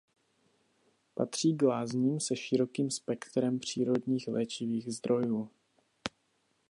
Patří k lázním se širokým spektrem přírodních léčivých zdrojů.